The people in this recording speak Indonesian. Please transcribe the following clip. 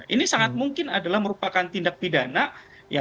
ini sangat mungkin adalah merupakan tindak pidana